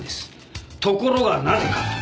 ところがなぜか。